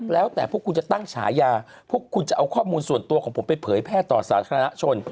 แล้วแต่พวกคุณจะตั้งฉายาพวกคุณจะเอาข้อมูลส่วนตัวของผมไปเผยแพร่ต่อสาธารณชน